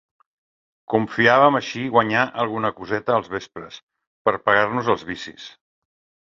Confiàvem així guanyar alguna coseta als vespres, per pagar-nos els vicis.